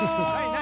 何？